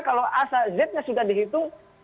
kalau a sampai z nya sudah dihitung